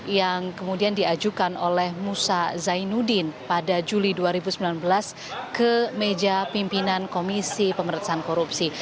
yang kemudian diajukan oleh musa zainuddin pada juli dua ribu sembilan belas ke meja pimpinan komisi pemerintahan korupsi